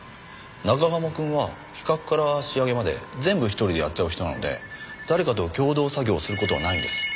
中鴨くんは企画から仕上げまで全部１人でやっちゃう人なので誰かと共同作業する事はないんです。